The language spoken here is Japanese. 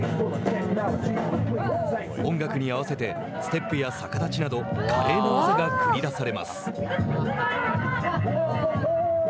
音楽に合わせてステップや逆立ちなど華麗な技が繰り出されます。